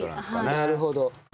なるほど。